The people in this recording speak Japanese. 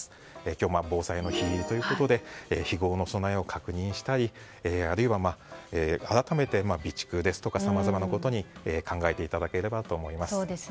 今日は防災の日ということで日ごろの備えを確認したりあるいは、改めて備蓄ですとかさまざまなことを考えていただければと思います。